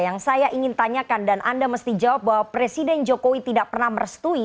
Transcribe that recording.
yang saya ingin tanyakan dan anda mesti jawab bahwa presiden jokowi tidak pernah merestui